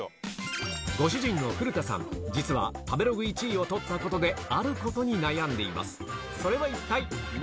ご主人の古田さん、実は食べログ１位をとったことで、あることに悩んでいます。